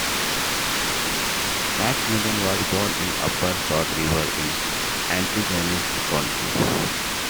MacMillan was born in Upper South River in Antigonish County.